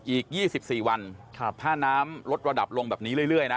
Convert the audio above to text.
อีก๒๔วันถ้าน้ำลดระดับลงแบบนี้เรื่อยนะ